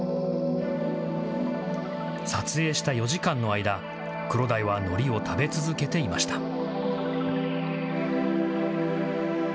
撮影した４時間の間、クロダイはのりを食べ続けていました。